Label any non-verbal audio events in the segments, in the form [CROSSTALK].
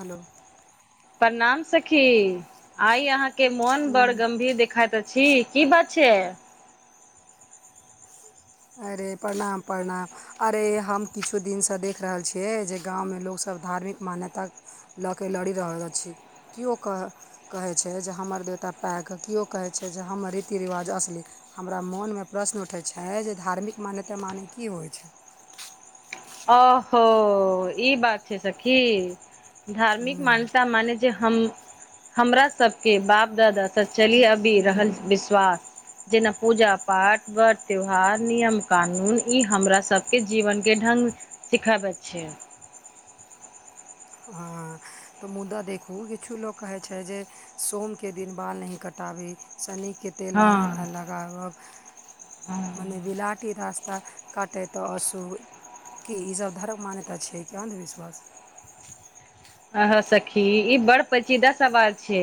hello प्रणाम सखी आइ अहाँ के मोन बड़ हूँ गम्भीर देखाइत छी की बात छै अय अरे प्रणाम प्रणाम अरे हम किछु दिनसँ देख रहल छियै जे गाँवमे लोकसब धार्मिक मान्यता लऽ के लड़ि रहल अछि केओ कह कहै छै जे हमर देवता पाके किओ कहैत छै जे हमर रीति रिवाज असली हमरा मोनमे प्रश्न उठैत छै जे धार्मिक मान्यता माने की होइत छै ओहो ई बात छै सखी की धार्मिक हूँ मान्यता मने जे हम हमरा सबके बाप दादा सब चली आबि रहल विश्वास जेना पूजा पाठ वर त्यौहार नियम कानून ई हमरा सबके जीवनके ढंग सिखाबै छेय हँ तऽ मुदा देखु किछु लोक कहै छै जे सोमके दिन बाल नहि कटाबे शनीके तेल हँ नहि लगाबब हँ मने बिलाटी रास्ता काटय तऽ अशूभ की ई सब धरम मान्यता छै कि अन्धविश्वास हँ हँ सखी ई बड़ पैचीदा सवाल छै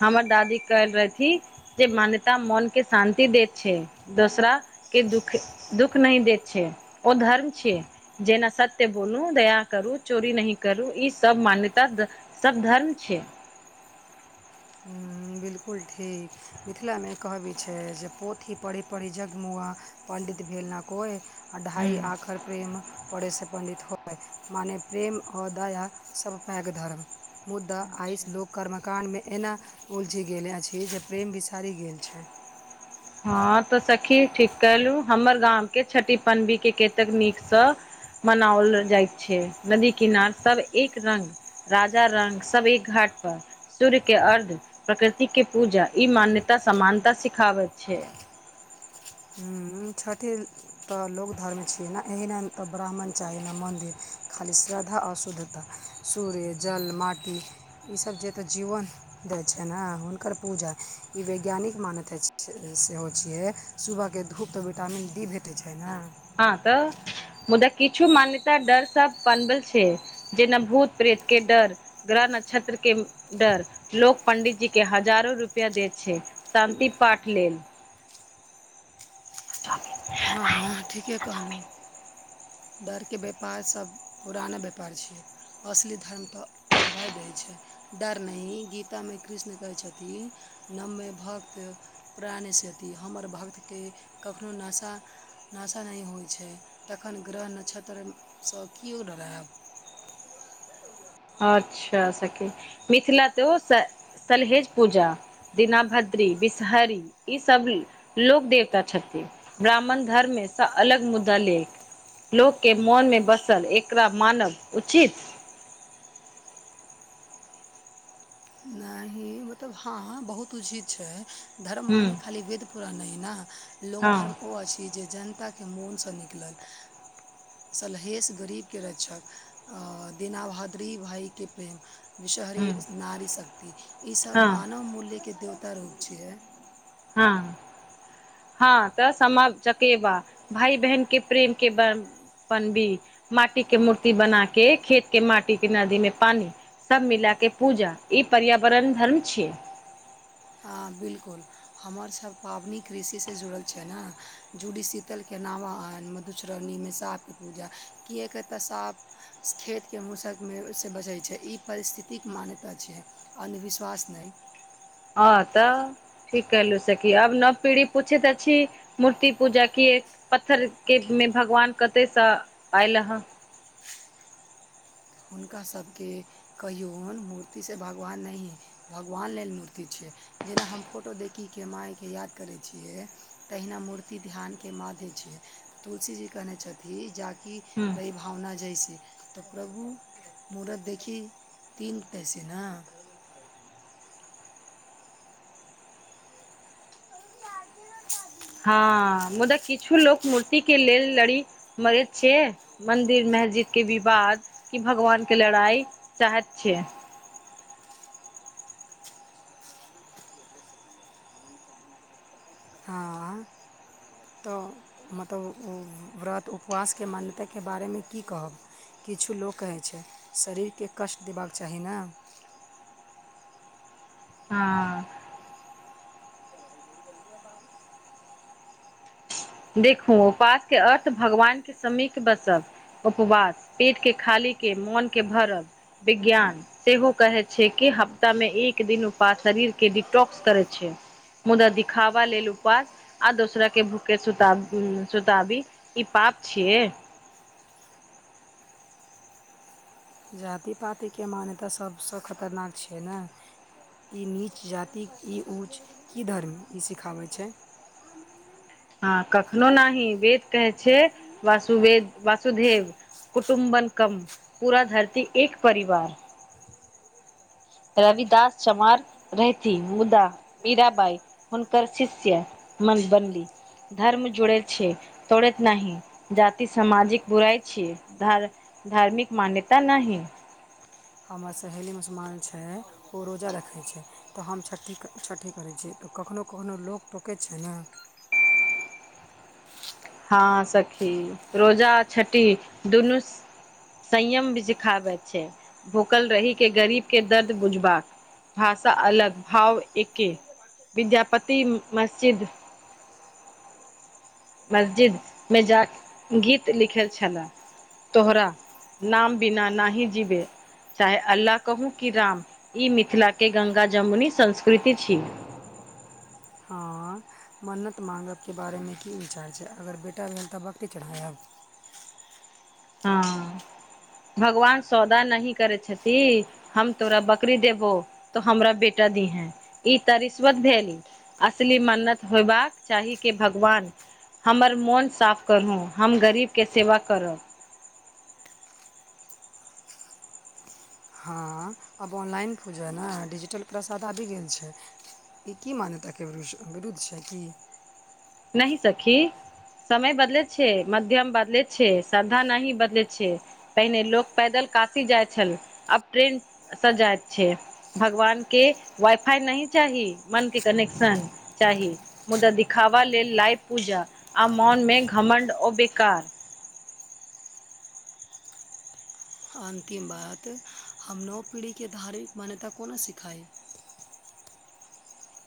हमर दादी कहल रहेथी जे मान्यता मोन कऽ शान्ति दे छै दोसरा ई दुःख दुःख नहि दैत छै ओ धर्म छै जेना सत्य बोलू दया करू चोरी नहि करू ई सब मान्यता स सब धर्म छै हू बिल्कुल ठीक मिथिलामे कहबी छै जे पोथी पढ़ी पढ़ी जगमुआ पण्डित भेल नऽ कोइ आ हूँ ढाइ आँखझर प्रेम पढ़ैसँ पण्डित होइ माने प्रेम आओर दया सब पैघ धर्म मुद्दा आइसँ अच्छा लोक कर्मकाण्डमे एना उलझि गेल अछि जे प्रेम बिसारि गेल छै हँ तऽ सखी ठीक कहलु हमर गामं के छठी पनवी के कतेक नीकसँ मनाओल जाइत छै नदी किनार सब एक रंग राजा रंक सब एक घाट पर सूर्य के अर्ध प्रकृति के पूजा ई मान्यता समानता सिखाबैत छैय छठि तऽ लोक धर्म छियै नऽ एहिना तऽ ब्राह्मण चाही ने मन्दिर खाली श्रद्धा अशुद्धता सूर्य जल माटी ईसभ जेतहु जीवन दै छै ने हुनकर पूजा ई वैज्ञानिक मान्यता सेहो छियै सुबहके धूप तऽ विटामिन डी भेटैत छै नऽ हँ तऽ मुदा किछु मान्यता डर सब बनबल छै जेना भूत प्रेत के डर ग्रह नक्षत्र के डर लोक पंडितजी के हजारो रुपया दे छै शान्ति पाठ लेल हँ हँ ठीके कहलहुँ डरके व्यापार सभ पुराना व्यापार छियै असली धर्म तऽ अभय दैत छै डर नहि गीतामे कृष्ण कहैत छथि नवमे भक्त प्राणसँती हमर भक्तके कखनो नशा नशा नहि होइत छै तखन ग्रह न्षत्रसँ केओ डरायब अच्छा सखी मिथिला तऽ ओ सलहेज पूजा दीनाभद्री बिसहरी ई सब लोक देवता छथि ब्राह्मण धर्ममेसँ अलग मुद्दा लेख लोक केँ मोन मे बसल एकरा मानव उचित नहि मतलब हँ बहुत उचित छै धर्म हूं माने खाली वेद पूरान नहि नऽ लोक हँ धर्म ओ अछि जे जनताकेँ मोनसँ निकलल सलहेस गरीबकेँ रक्षक अ दीनाभाद्री भइकेँ प्रेम विषहरी हूँ नारी शक्ति ई सब हँ मानव मूल्य केँ देवता रूप छियै हँ हँ तऽ समा - चकेबा भाय बहन केँ प्रेम केँ ब बनबि भी माटी केँ मूर्ति बना केँ खेत केँ माटी केँ नदी मे पानी सब मिला केँ पूजा ई पर्यावरण धर्म छी हँ बिलकुल हमर सभ पाबनि कृषिसँ जुड़ल छै नऽ जूडीशीतल केँ नावाआइन म मधुश्रावनीमे साँपकेँ पूजा किया केँ तऽ साँप खेत केँ मुसक मे से बचै छै ई परिस्थितिक मान्यता छियै अन्धविश्वास नैय हँ तऽ ठीक कहलु सखी आब नव पीढ़ी पूछैत अछि मूर्ति पूजा किएक पत्थर केँ मे भगवान कतेयसँ आयल हँ हुनका सभ केँ कहियौन मूर्तिसँ भगवान नहि भगवान लेल मूर्ति छै जेना हम फोटो देखिकेँ माय केँ याद करै छियै तहिना मूर्ति ध्यान केँ माध्य छियै तुलसी जी कहने छथि जाकि ह रहि भावना जैसे तऽ प्रभु मूरत देखी तीन तै से नऽ [INAUDIBLE] हँ मुदा किछु लोक मूर्ति केँ लेल लड़ी मरैत छै मन्दिर मस्जिद केँ विवाद कि भगवान केँ लड़ाइ चाहैत छै हँ तो मतलब उ व्रत उपवास केँ मान्यता केँ बारेमे की कहब किछु लोक कहै छै शरीर केँ कष्ट देबाक चाही नऽ हँ देखू उपवास केँ अर्थ भगवान केँ समीक बसब उपवास पेटकेँ खालीकेँ मौनकेँ भरल विज्ञान सेहो कहै छै कि हफ्तामे एक दिन उपास शरीर केँ डिटॉक्स करै छै मुदा दिखावा लेल उपवास आ दोसरा केँ भुख केँ सुता सुताबी ई पाप छिये जाति पाति केँ मान्यता सभसँ खतरनाक छै नऽ ई नीच जातिक ई ऊँच की धर्म ई सिखाबै छै हँ कखनो नहि वेद कहै छै वासुवेद वासुदेव कुटुम्बकम् पूरा धरती एक परिवार रविदास चमार रहथी मुदा मीराबाई हुनकर शिष्य मन बनली धर्म जुड़ैत छै तोड़ैत नहि जाति सामाजिक बुराइ छै ध धार्मिक मान्यता नाहि हमर सहेली मुसलमान छै ओ रोजा रखै छै तऽ हम छठि छठि करै छी तऽ कखनो कखनो लोक टोकैत छै नऽ हँ सखी रोजा छठी दुनू संयम भी सिखाबैत छै भूखल रहि के गरीब के दर्द बुझबाक भाषा अलग भाव एके विद्यापति मस्जिद मस्जिद मे जाक गीत लिखेल छलाह तोहरा नाम बिना नाही जीबे चाहे अल्ला कहू कि राम ई मिथिलाके गंगा जमुनी संस्कृति छी हँ मन्नत माँगके बारेमे की विचार छै अगर बेटा भेल तऽ बकरी चढ़ायब हँ भगवान सौदा नही करै छथि हम तोरा बकरी देबौ तो हमरा बेटा दीहैं ई त रिश्वत भेलै असली मन्नत होयबाक चाही के भगवान हमर मोन साफ करू हम गरीबके सेवा करब हँ आब ऑनलाइन फुजै न डिजिटल प्रसाद आबि गेल छै ई की मान्यताके विरुद्ध छै कि नहि सखी समय बदलेत छै माध्यम बदलेत छै श्रद्धा नहि बदलेत छै पहिने लोक पैदल काशी जाइत छल आब ट्रेन सजाइत छै भगवान के वाइफाई नहि चाही मन के कनेक्शन चाही मुदा दिखावा लेल लाइव पूजा आ मोन मे घमण्ड ओ बेकार अन्तिम बात हम नव पीढ़ीके धार्मिक मान्यता कोना सिखाइ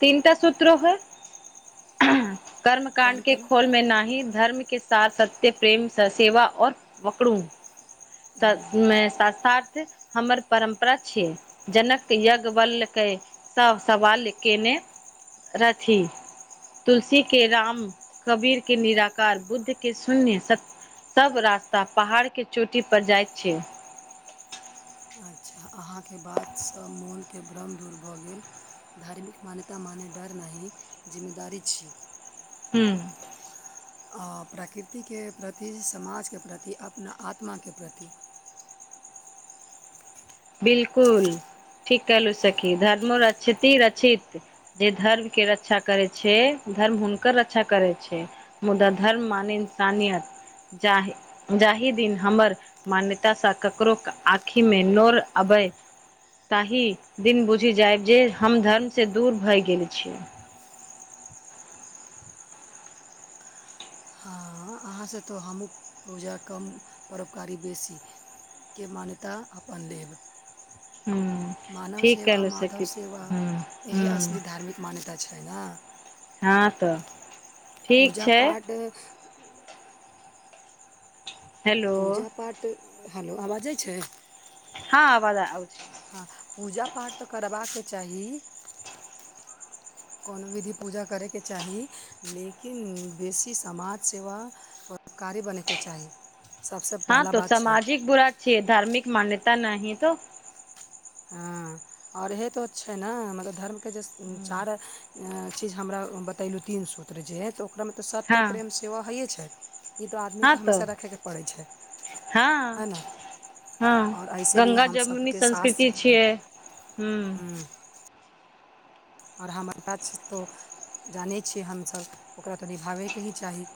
तीनटा सूत्रो होय कर्म काण्ड कौन के करम खोल मे नाहि धर्मके के सार सत्य प्रेम स सेवा आ वकड़ू [UNINTELLIGIBLE] हमर परम्परा छीयै जनक यज्ञवल्लकै सब सवाल केने रथि तुलसी के राम कबीर के निराकार बुद्ध के शून्य सत्य सब रास्ता पहाड़ के चोटी पर जाइत छै अच्छा अहाँके बातसँ मोनके भ्रम दूर भऽ गेल धार्मिक मान्यता माने डर नहि जिम्मेदारी छियै हूँ अ प्रकृतिके प्रति समाजके प्रति अपना आत्माके प्रति बिल्कुल ठीक कहलू सखी धर्म रीक्षति रक्षित जे धर्म के रक्षा करै छै धर्म हुनकर रक्षा करै छै मुदा धर्म माने इंसानियत जाहे जाहि दिन हमर मान्यता स ककरो क आंखि मे नोर आबय ताहि दिन बुझि जायब जे हम धर्म से दूर भै गेल छि हँ आहाँ से तऽ हमू पूजा कम परोपकारी बेसी के मान्यता अपन लेब हूँ मानव ठीक सेवा कहलु माधव सखी सेवा हूँ एहे असली हूँ धार्मिक मान्यता छै न हँ तऽ ठीक पूजा छै पाड हेलो पूजा पाठ हेलो आबज जाय छै ह अबाज आबय छै हऽ पूजा पाठ तऽ करबाक चाही [INAUDIBLE] [UNINTELLIGIBLE] कौन विधि पूजा करय केँ चाही लेकिन बेसी समाज सेवा कऽ उपकारी बनै केँ चाही सबसे पहला बात छै छियै धार्मिक मान्यता नै तो ह और इएह तऽ छै ने मतलब धर्म केँ जे उम्म चार अ चीज हमरा बतैलुह तीन सूत्र जेय तऽ ओकरामे तऽ सत्य प्रेम सेहो हैये छै ई तऽ आदमी केँ हमेशा रखैय केँ पड़ै छै हैय न हऽ गंगा जमुनी संस्कृति शास्त्रके छियै [UNINTELLIGIBLE] और हम ऐता छै तो जानै छियै हम सभ ओकरा तऽ निभाबैकेँ ही चाही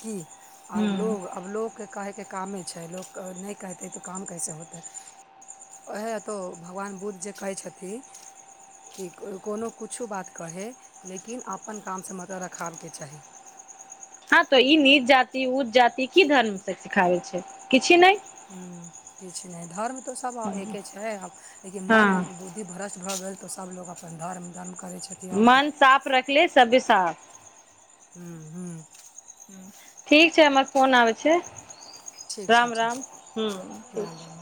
की आब लोग अब लोग कऽ कहयकेँ कामे छै लोग कऽ नै कहतै तऽ काम कइसे होतै ओहै तो भगवान बुद्ध जे कहै छथिन कि कोई कोनो कुछो बात कहय लेकिन आपन काम से मतलब रखाब केँ चाही हऽ तऽ ई नीच जाति उँच जाति की धर्म से सिखाबै छै किछि नै हु किछ नै धर्म तऽ सब अ एके छै आब लेकिन मन हँ बुद्ध बुद्धि भ्रस्ट भऽ गेल तऽ सब लोग अपन धर्म धर्म करै छै मन साफ रैख ले सबे साफ [UNINTELLIGIBLE] ठीक छै हमर फोन आबै छै ठीक [INAUDIBLE] छै राम ठीक राम हु राम ठीक छै राम